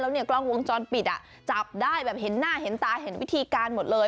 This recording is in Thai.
เนี่ยกล้องวงจรปิดอ่ะจับได้แบบเห็นหน้าเห็นตาเห็นวิธีการหมดเลย